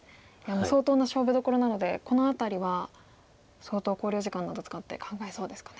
相当な勝負どころなのでこの辺りは相当考慮時間など使って考えそうですかね。